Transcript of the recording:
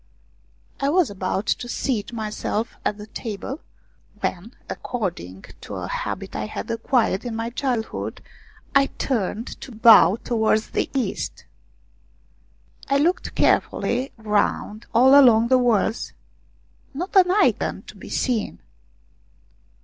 I was about to seat myself at the table, when, according to a habit I had acquired in my childhood, I turned to bow towards the east. I looked carefully round all along the walls not an Icon to be seen.